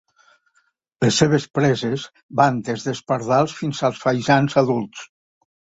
Les seves preses van des dels pardals fins als faisans adults.